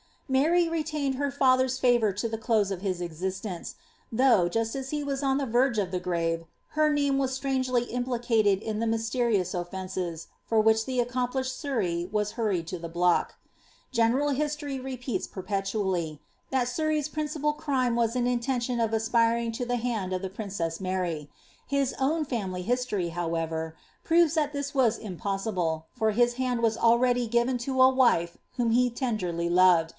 Mary retained her father's favour to the close of his existence, thoujh, m just as he was on the verge of the grave, her name was stranirely impin cated in the mysterious oticnces for which the accomplishe<l Surrey wa.< hurried to the block. General history rejieats perpetually, that Surrey's princi{)al crime was an intention of aspiring to the hand of the princf^ Mar\' ; his own family history^ however, proves that this was iinpi»ss» ble, for his hand was already given to a wife whom he tenderlv lorei!.